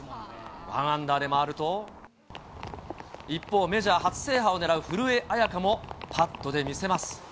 ワンアンダーで回ると、一方、メジャー初制覇を狙う古江彩佳もパットで見せます。